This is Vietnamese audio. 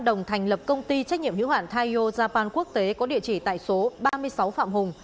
đồng thành lập công ty trách nhiệm hữu hoản taiyo japan quốc tế có địa chỉ tại số ba mươi sáu phạm hùng